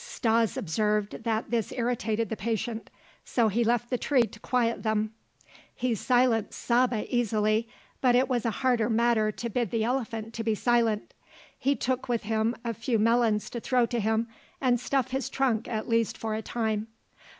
Stas observed that this irritated the patient; so he left the tree to quiet them. He silenced Saba easily, but as it was a harder matter to bid the elephant to be silent, he took with him a few melons to throw to him, and stuff his trunk at least for a time.